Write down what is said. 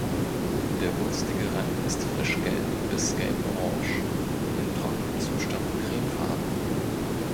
Der wulstige Rand ist frisch gelb bis gelborange, in trockenem Zustand cremefarben.